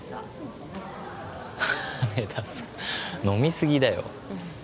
その羽田さん飲みすぎだよ